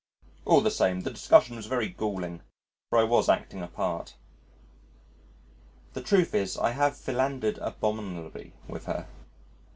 All the same the discussion was very galling, for I was acting a part. ... The truth is I have philandered abominably with her.